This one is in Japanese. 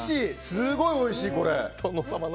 すごいおいしい、これ。